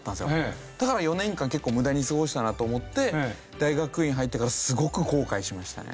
だから４年間結構無駄に過ごしたなと思って大学院入ってからすごく後悔しましたね。